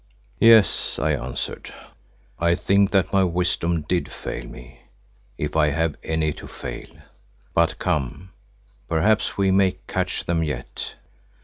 "Yes," I answered, "I think that my wisdom did fail me, if I have any to fail. But come; perhaps we may catch them yet."